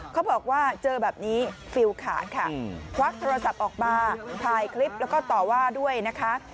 เขาบอกว่าเจอแบบนี้ฟิลขาดค่ะควักโทรศัพท์ออกมาถ่ายคลิปแล้วก็ต่อว่าด้วยนะคะ